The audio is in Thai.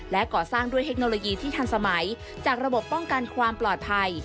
และก่อสร้างด้วยเทคโนโลยีที่ทันสมัยจากระบบป้องกันความปลอดภัย